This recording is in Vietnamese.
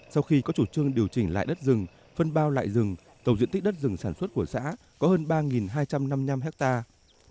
sau khi có chủ trương điều chỉnh lại đất rừng phân bao lại rừng tổng diện tích đất rừng sản xuất của xã có hơn ba hai trăm năm mươi năm hectare